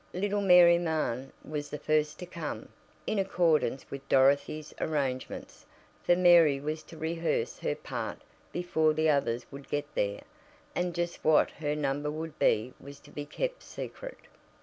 Little Mary Mahon was the first to come in accordance with Dorothy's arrangements, for Mary was to rehearse her part before the others would get there, and just what her number would be was to be kept secret.